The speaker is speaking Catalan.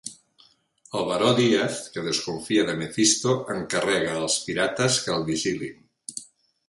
El Baró Díaz, que desconfia de Mefisto, encarrega als pirates que el vigilin.